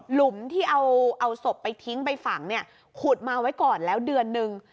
หลุมที่เอาศพไปทิ้งไปฝังเนี่ยขุดมาไว้ก่อนแล้วเดือนนึง